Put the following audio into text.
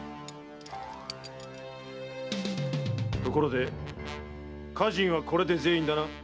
ところで家人はこれで全員だな？